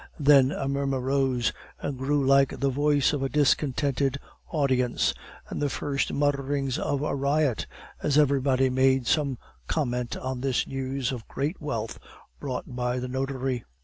Then a murmur rose, and grew like the voice of a discontented audience, or the first mutterings of a riot, as everybody made some comment on this news of great wealth brought by the notary.